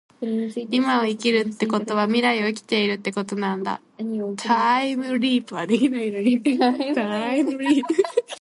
今を生きるってことは未来を生きているってことなんだ。タァイムリィプはできないのにね